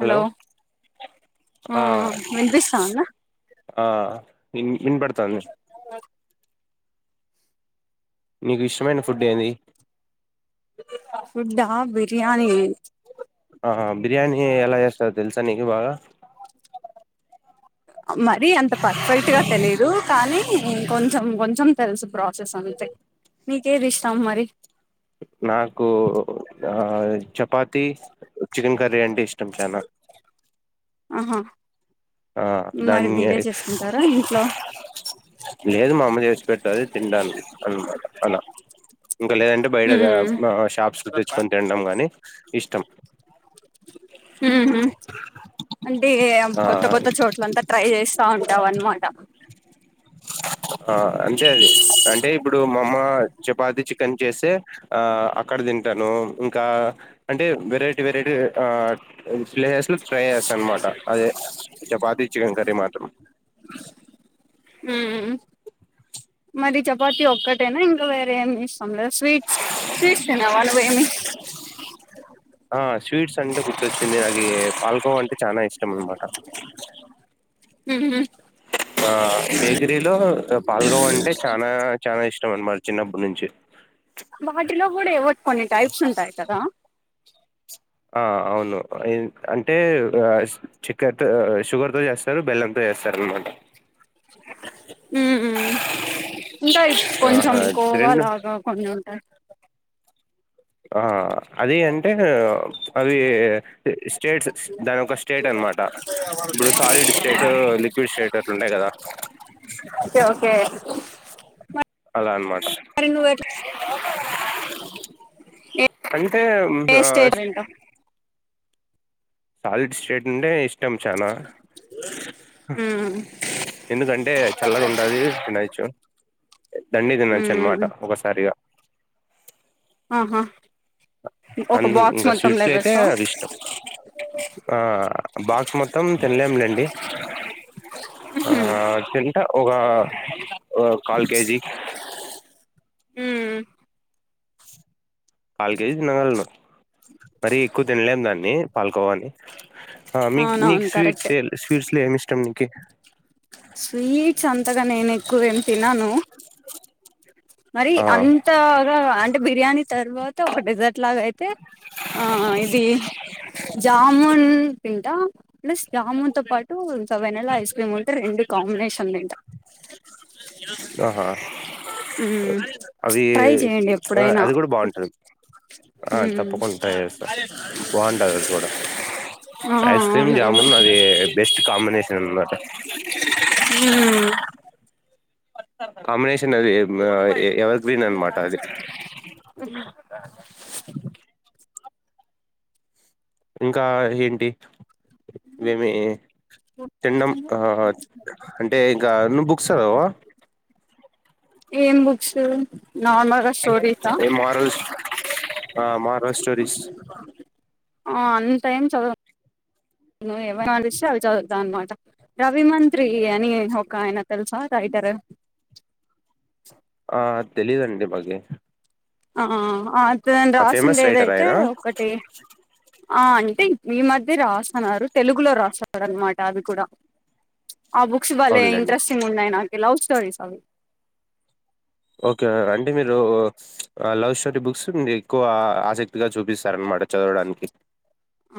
Hello ఆ వినిపిస్తోందా ఆ విని విన్పడతంది నీకు ఇష్టమైన ఫుడ్ ఏది ఫుడ్డా బిర్యానీ ఆహా బిర్యానీ ఎలా చేస్తారో తెలుస్ [unintelligible] మరి అంత పర్ఫెక్ట్ గా తెలీదు కానీ కొంచెం కొంచెం తెలుసు ప్రాసెస్ అంతే నీకేది ఇష్టం మరి నాకు ఆ చపాతి చికెన్ కర్రీ అంటే ఇష్టం చానా ఆహా ఆ మరి దాన్ని మీరే చేసుకుంటారా ఇంట్లో లేదు మామీ చేసి పెట్ అదే తిండాను అన్నమాట అన ఇంకా లేదంటే బయట ఉమ్ గా ఆ షాప్స్ లో తెచ్చుకొని తినడం గానీ ఇష్టం హ్మ్ అంటే కొత్త ఆ కొత్త చోట్లంతా ట్రై చేస్తా ఉంటావు అన్నమాట ఆ అంతే అది అంటే ఇప్పుడు మా అమ్మ చపాతి చికెన్ చేస్తే ఆ అక్కడ తింటాను. ఇంకా అంటే వెరైటీ వెరైటీ ఆ [unintelligible] ఫ్రై చేస్తా అన్నమాట అదే చపాతి చికెన్ కర్రీ మాత్ హ్మ్ మరి చపాతి ఒక్కటేనా ఇంకా వేరే ఏమి ఇష్ స్వీట్స్ స్వీట్స్ తినవా నువ్వు ఏమీ ఆ ఓ అంటే చానా ఇష్ [unintelligible] ఊహూ ఆ బేకరీలో పాలకోవా అంటే చానా చానా ఇష్ [unintelligible] చిన్నప్పుడు నుంచి వాటిలో కూడా ఏవో కొన్ని టైప్స్ ఉంటాయి కదా ఆ అవును అంటే ఆ చక్కరతో షుగర్ తో చేస్తారు బెల్లంతో చేస్తారు అన్నమాట హ్మ్ ఇంకా కొంచెం ఆహా రెండు కోవాలాగా కొన్ని ఉంటాయి ఆ అది అంటే అవి స్టేట్స్ దాని ఒక స్టేట్ అనమాట ఇప్పుడు సాలిడ్ స్టేట్ లిక్విడ్ స్టేట్ అట్లు ఉంటయి కదా కే ఓకే అలా అనమాట మరి నువ్వు ఎట్లా అంటే ఏ స్టేట్ వింటా సాలిడ్ స్ట్రేట్ నుండే ఇ ఇష్టం చానా ఉమ్ ఎందుకంటే చల్లగా ఉంటాది తినొచ్చు దండిగ తినచ్చు ఉమ్ అనమాట ఒకసారిగా ఆహా ఒక అందు బాక్స్ ఇంకా మొత్తం స్వీట్లు అయితే లేపేస్తావా అది ఇష్టం ఆ బాక్స్ మొత్తం తినలేములేండి ఆ ఉహుమ్ తింటా ఒక ఒక కాల్ కేజీ ఉమ్ కాల్ కేజీ తినగలను మరీ ఎక్కువ తినలేము దాన్ని కోవాని ఆ మీక్ మీకు అవునవును స్వీట్స్ కరెక్టే స్వీట్స్ లో ఏమి ఇష్టం నీ కే స్వీట్స్ అంత నేను ఎక్కువెం తినను. మరి ఆ అంతగా అ బిర్యానీ తర్వాత ఒక డెజర్ట్ లాగా అయితే ఆ ఇది జామూన్ తింటా ప్లస్ జామూన్ తో పాటు. వెన్నెల ఐస్ క్రీమ్ ఉంటే రెండు కాంబినేషన్ తింట. [unintelligible] ఆహా మ్మ్ అవి ట్రై చేయండి ఎప్పుడైనా అది కూడా బాగుంటుంది ఆ మ్మ్ తప్పకుండా ట్రై చేస్తాం బాగుంటుంది అది కూడా ఆ ఐస్ క్రీమ్ అవునవును జాముూన్ అది బెస్ట్ కాంబినేషన్ అనమాట [inaudible] కాంబినేషన్ అది ఎవర్ గ్రీన్ అనమాట అది [unintelligible] [inaudible] ఇంకా ఏంటి ఏమి తిండం ఆ అంటే ఇంకా నువ్ బుక్స్ చదవవా ఏం బుక్సూ నార్మల్ గా స్టోరీస్ ఆ ఆ మారల్ స్టోరిస్ ఆ అంత ఏం చదువం నువ్ ఏమై మనిస్తే అవి చదువుతావు అన్నమాట రవి మంత్రి అని ఒక ఆయన తెల్సా రైటర్ ఆ తెలీదండి మాకి ఆ ఆ ఫేమస్ రైటర్ రాసిండేదైతే ఆయన ఒకటి ఆ అంటే ఈ మధ్య రాసన్నారు తెలుగులో రాసరు అనమాట అది కూడా ఆ బుక్స్ బలె అవునులేండి ఇంట్రెస్టింగ్ ఉన్నాయి నాకు లవ్ స్టోరీస్ అవి ఓకే అంటే మీరు ఆ లవ్ స్టోరీ బుక్స్ మీకు ఆసక్తిగా చూపిస్తారనమాట చదవడానికి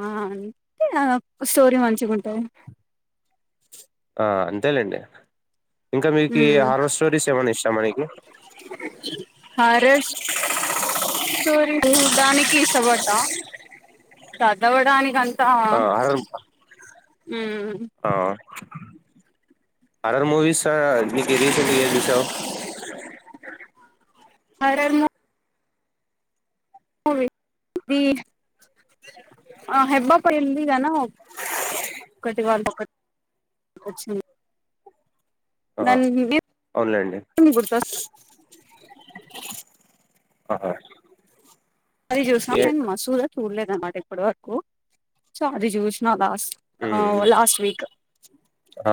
ఆ అంటే నాకు స్టోరీ మంచిగుంటధి ఆ అంతేలేండి ఇంకా ఊ మీకి హారర్ స్టోరీస్ ఏమైనా ఇష్టమా నీకి హరస్ స్టోరీ చుడానికి ఇష్టపడతా చదవడానికి అం తా ఆ హారర్ ఆ హారర్ మూవీస్ ఆ నీకి రీసెంట్ గా ఏం చూసావ్ హరర్ ము అది అ ఆ దాని వి అవునులేండి వీప్ గుర్తొస్తా ఆ అది చూస నేన్ మసూద చూడలేదమాట ఎప్పటి వరకు సో అది చూసిన అలా ఆ ఉమ్ లాస్ట్ వీక్ ఆ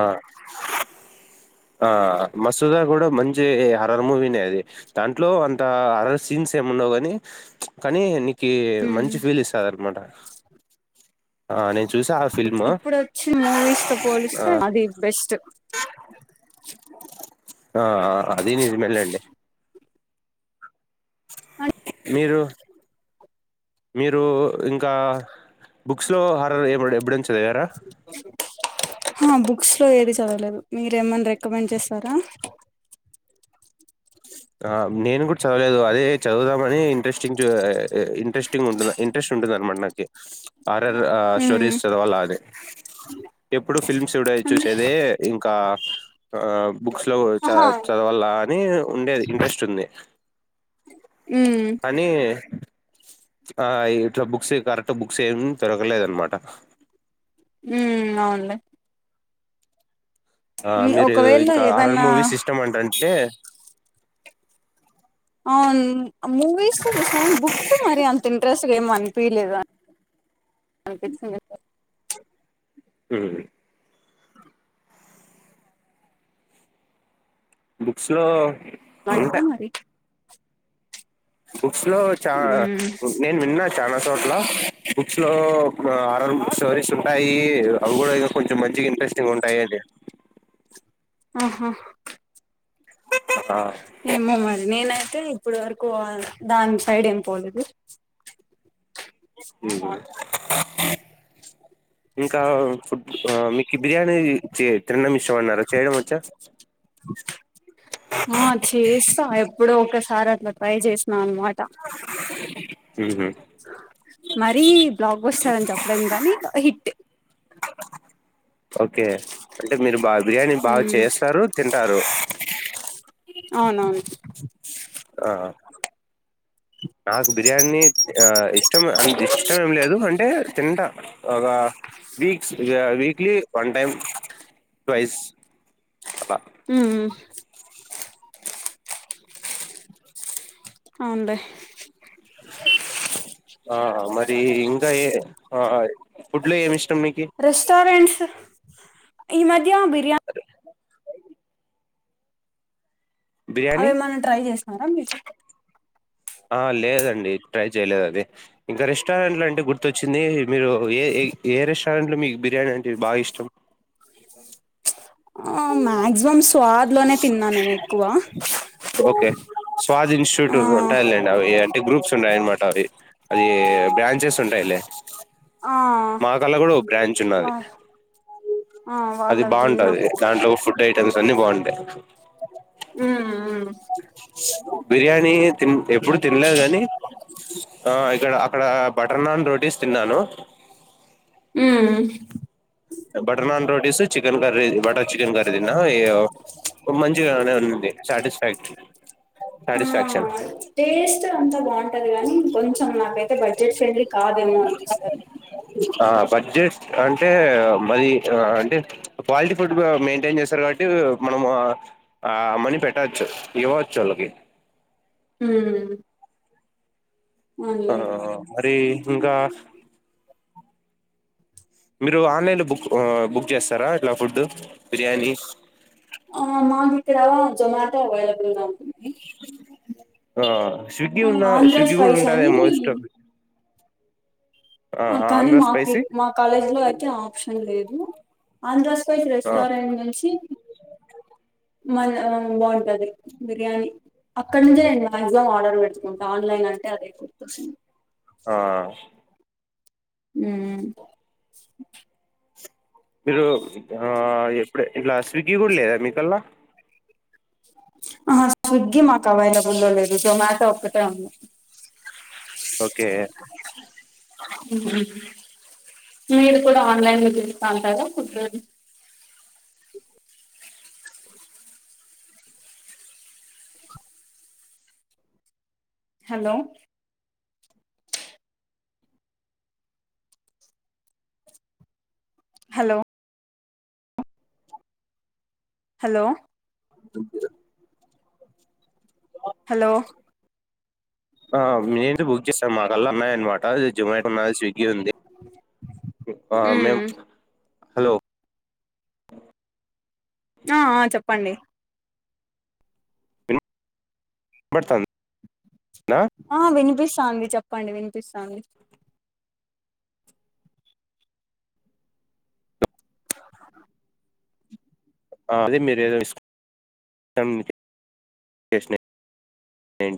ఆ మసూద కూడా మంచి హరర్ మూవీనే అది దాంట్లో అంత హరర్ సీన్స్ ఏమి ఉండవు కాని కానీ ని కి మ్మ్ మంచి ఫీల్ ఇస్తాదనమాట ఆ నేన్ ఇప్పుడు వచ్చిన మూవీస్ తో పోలిస్తే అది బెస్ట్ ఆ అదీ నిజమే లెండి [inaudible] మీరు మీరు ఇంకా బుక్స్ లో హారర్ ఎమడ ఎప్పుడైనచదరా ఆ బుక్స్ లో ఏది చదవలేదు మీరు ఏమన్నా రికమెండ్ చేస్తారా ఆ నేను కూడా చదవలేదు అదే చదువుదాం మరీ ఇంట్రెస్టింగ్ ఆ ఏ ఇంట్రెస్టింగ్ ఉంటు ఇంట్రెస్ట్ ఉండదన్నమాట నాకి ఆరర్ ఆ మ్మ్ స్టోరీస్ చదవాల అది ఎప్పుడు ఫిల్మ్స్ సుడై అంటే చూసేది ఇంకా కాబ్ బుక్స్ లో చ ఆహా చదవాల అని ఉండేది ఇంట్రెస్ట్ ఉంది మ్మ్ కానీ ఆ ఇట్లా బుక్స్ కరెక్ట్ బుక్స్ ఏమి దొరకలేదు అన్నమాట ఊ అవున్లే ఆ మీరు ఒకవేళ ఇంకా అరర్ ఏవన్నా మూవీస్ ఇష్టం అంటండి ఎ మూవీస్ చూసా బుక్స్ మరి అంత ఇంట్రెస్ట్ ఏమో అనిపియలేద అనిపించింది ఉం బుక్స్ లో వారత ఉంటాయి మరి బుక్స్ లో చా మ్మ్ నేను విన్నా చాల చోట్ల బుక్స్ లో ఇప్పుడు ఆర్ ఆర్ బుక్ స్టోరీస్ ఉంటాయి అవి కూడా ఇగ కొంచెం మంచి ఇంట్రెస్టింగ్ ఉంటాయి అండి ఆహా ఆ ఏమ్మోమరి నేనైతే ఇప్పుడు వరకు దాని సైడ్ ఏం పోవలేదు ఉ ఇంకా ఫుడ్ ఆ మీకి బిర్యానీ చే తినడమిష్టం అన్నారా చేయడం వచ్చా ఇప్పుడు ఒకసారి అట్లా ట్రై చేసిన అన్నమా ఉహు మరీ బ్లాగ్ బస్టర్ రని చెప్పలెంకాగానీ హిట్ ఓకే అంటే మీరు బాగ బిర్యాని బాగా మ్మ్ చేస్తారు తింటారు అవునా ఆ నాకు బిర్యానీ ఆ ఇష్ ఇష్టం అంత ఇష్టం ఏం లేదు అంటే తింటా ఒక వీక్స్ ఇగ వీక్లీ వన్ టైం ట్వస్ అలా ఉమ్ ఉ అవున్లే ఆ మరి ఇంగా ఫుడ్ లో ఏమి ఇష్ రెస్టారెంట్స్ ఈ మద్ బిర్యానీ అవే మనం ట్రై చేస్ [unintelligible] ఆ లేదండి ట్రై చేయలేదు అది ఇంకా రెస్టారెంట్లు అంటే గుర్తొచ్చింది మీరు ఏ ఏ రెస్ట రెస్టారెంటులో మీకు బిర్యానీ అంటే బాగా ఇష్టం స్ స్ ఆ మాయక్సిమం స్వాద్ లోనే తిన్నా నేను ఎక్కువ ఓకే స్వాద్ ఇన్స్టిట్యూట్ ఆ ఉంటాయిలెండి అవి ఏంటే గ్రూప్స్ ఉండాయి అన్మాట మరి అది బ్రాంచెస్ ఉంటాయిలే ఆ మాకల్లకూడా ఒక బ్రాంచ్ ఉన్నది. వా ఆ అది వాళ్ళది తిన్నా బాగుంటది దాంట్లో ఫుడ్ ఐటమ్స్ అన్ని బాగుంటాయి. ఉమ్ ఉమ్ బిర్యానీ తి ఎప్పుడు తినలేదు కానీ ఆ ఇక్కడ అక్కడ బటర్ నాన్ రోటీస్ తిన్నాను. హ్మ్.... butter naan rotis, chicken curry, butter chicken curry తిన ఈ ఒమంచిగానే ఉంది సాటిస్పైట్. ఆ టేస్ట్ అంతా బావుంటది, కాని కొంచెం నా పె బడ్జెట్ ఫ్రెండ్లి కాదేమో అనిపిస్తాది ఆ బడ్జెట్ అంటే మది ఆ అంటే క్వాలిటీ ఫుడ్ మెయింటేన్ చేస్తారు, కాబట్టి మనము ఆ ఆ మనీ పెట్టచ్చు ఇవ్వచ్చు వాళ్ళకి హ్మ్.. ఆ... అరే ఇంకా మీరు ఆన్లైన్ బుక్ ఆ బుక్ చేస్తారా ఇట్లా ఫుడ్ బిర్యానీస్ ఆ మాక్ ఇక్కడా జొమాటో అవైలబుల్ గా ఉంటుంది. ఆ స్విగ్గి ఉన్నా ఆంధ్ర స్విగ్గి గూడ్ స్పైస్ అని ఉంటాదేమోస్టు అ కానీ మాకి స్పైసీ ఇక్ మా కాలేజ్ లో అయితే ఆప్షన్ లేదు. అందస్ స్పైస్ ఆ రెస్టారెంనుంచి మల్ ఊమ్ బావుంటది, బిర్యానీ అక్కనుంచే నేను మాక్సిమం ఆర్డర్ పెట్కుంటా ఆన్లైన్ అంటే అదే గుర్తొస్తుంది. ఆ హ్మ్ మీరు ఆ ఎప్పుడె ఇట్లా స్విగ్గీ కూడా లేదా మీకల్లా ఆహా, స్విగ్గీ మాకు అవైలబుల్లో లేదు, జొమాటో ఒక్కటే ఉంది. ఓకే మ మీరు కూడా ఆన్లైన్ లో తింటా అంటారా ఫుడ్డు అది హలో హలో హలో దుంపిరే హలో ఆ మేమే బుక్ చేసాం మాకల్లా ఉన్నాయ్ అనమాట జొమాటో ఉన్నాది, స్వి గ్గి ఉంది ఆ ఉమ్ మేమ్ హలో ఆ ఆ చెప్పండి విన్ బడ్తాంద్ ఆ వినిపిస్ స్తాంది చెప్పండి వినిపిస్తాంది ఆ అదే మీరు ఏదో [unintelligible]